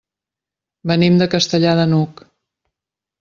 Venim de Castellar de n'Hug.